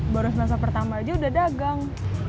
baru semasa pertama aja udah dagang